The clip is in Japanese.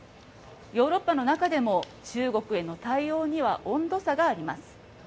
ヨーロッパの中でも、中国への対応には温度差があります。